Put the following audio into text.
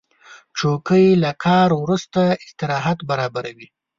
چوکۍ له کار وروسته استراحت برابروي.